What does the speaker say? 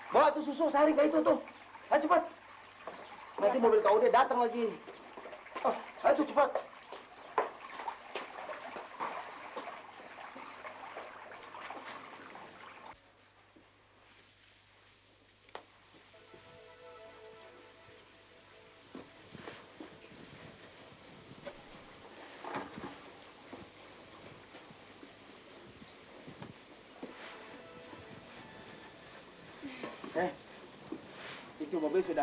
bawa itu susu sehari nggak itu susu